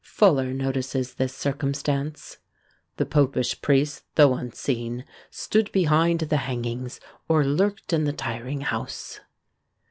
Fuller notices this circumstance. "The popish priests, though unseen, stood behind the hangings, or lurked in the tyring house."